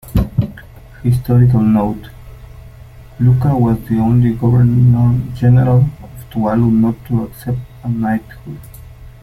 Historical note: Luka was the only Governor-General of Tuvalu not to accept a Knighthood.